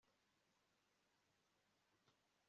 Imikorere yari hafi kurangira